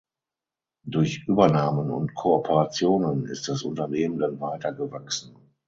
Durch Übernahmen und Kooperationen ist das Unternehmen dann weiter gewachsen.